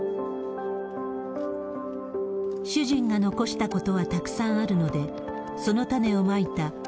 主人が残したことはたくさんあるので、その種をまいた。